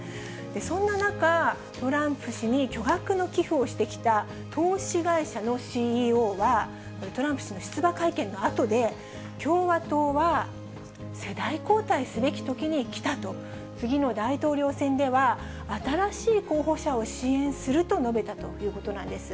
そんな中、トランプ氏に巨額の寄付をしてきた、投資会社のＣＥＯは、これ、トランプ氏の出馬会見のあとで、共和党は世代交代すべきときに来たと、次の大統領選では、新しい候補者を支援すると述べたということなんです。